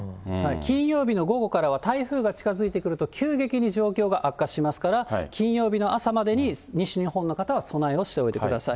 金曜日の午後からは、台風が近づいてくると急激に状況が悪化しますから、金曜日の朝までに西日本の方は備えをしておいてください。